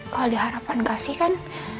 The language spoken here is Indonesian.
kalau diharapkan kasih kan